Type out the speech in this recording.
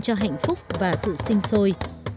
cho hạnh phúc và sự sinh sôi